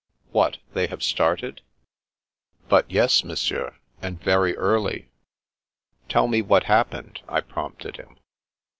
What — they have started?" But yes. Monsieur, and very early." Tell me what happened," I prompted him.